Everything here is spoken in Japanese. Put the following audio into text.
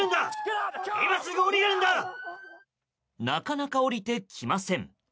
なかなか降りてきません。